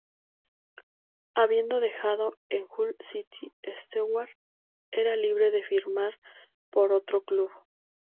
Habiendo dejado el Hull City, Stewart era libre de firmar por otro club.